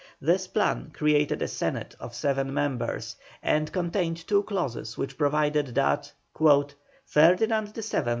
This plan created a Senate of seven members, and contained two clauses which provided that: "Ferdinand VII.